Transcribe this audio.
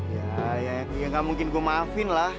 ya ya ya gak mungkin gua maafin lah